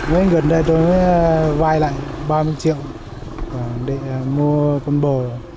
với gần đây tôi mới vai lại ba mươi triệu để mua con bồ